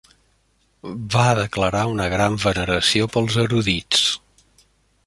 Va declarar una gran veneració pels erudits.